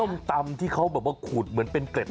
ตำที่เขาแบบว่าขูดเหมือนเป็นเกร็ด